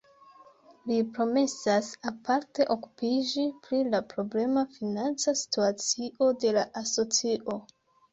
Li promesas aparte okupiĝi pri la problema financa situacio de la asocio.